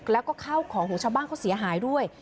แล้วก็ข้าวของของชาวบ้านเขาเสียหายด้วย